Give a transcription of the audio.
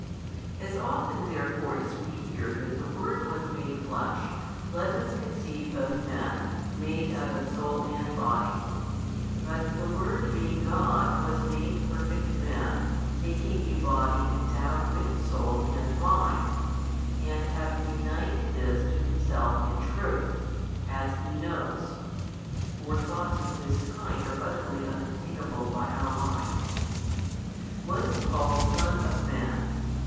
As often therefore as we hear that the Word was made Flesh, let us conceive of man made out of soul and body. But the Word being God was made perfect man taking a body endowed with soul and mind, and having united this to Himself in truth, as He knows (for thoughts of this kind are utterly unattainable by our mind), was called son of man.